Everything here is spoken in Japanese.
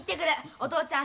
お父ちゃん